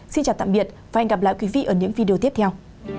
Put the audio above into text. xin chào tạm biệt và hẹn gặp lại quý vị ở những video tiếp theo